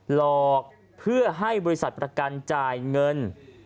หลอกเพื่อให้บริษัทประกันจ่ายเงิน